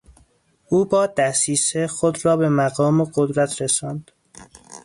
او با دسیسه خود را به مقام و قدرت رساند.